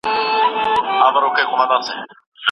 ټولنپوهنه د انساني کړنو مانا لټوي.